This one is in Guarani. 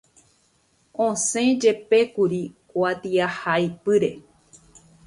Osẽjepékuri kuatiahaipyre.